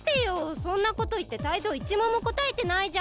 そんなこといってタイゾウ１問もこたえてないじゃん！